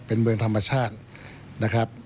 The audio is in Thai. เป็นเมืองธรรมชาตินะครับ